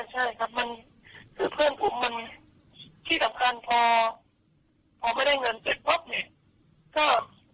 ใช่ครับมันคือเพื่อนผมมันที่สำคัญพอพอไม่ได้เงินเสร็จปุ๊บเนี่ยก็